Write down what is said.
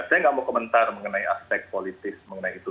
saya nggak mau komentar mengenai aspek politis mengenai itu